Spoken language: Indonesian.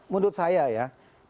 menurut saya ya